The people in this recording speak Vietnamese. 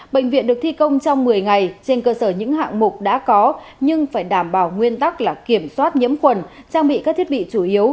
bệnh viện được thi công trong một mươi ngày trên cơ sở những hạng mục đã có nhưng phải đảm bảo nguyên tắc là kiểm soát nhiễm khuẩn trang bị các thiết bị chủ yếu